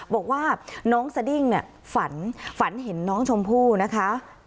บอกว่าน้องสดิ้งฝันเห็นน้องชมพู่นะคะ